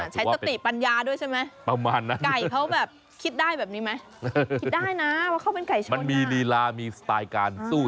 ใช้ตะติปัญญาด้วยใช่ไหมประมาณนั้น